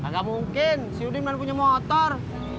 gak mungkin si udin belum punya motor